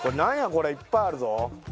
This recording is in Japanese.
これいっぱいあるぞ。